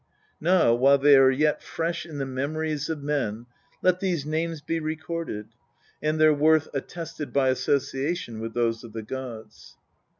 Now, while they are yet fresh in the memories of men, let these names be recorded, and their worth attested by association with those of the gods.